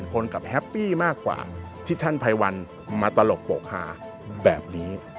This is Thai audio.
๒๕๐๐๐๐คนก็แฮปปี้มากกว่าที่ท่านพัยวัลมาตลกปกหาแบบนี้